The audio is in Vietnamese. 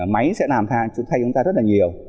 máy sẽ làm thay chúng ta rất là nhiều